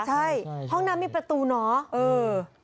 ใช่ห้องน้ำมีประตูเหรอ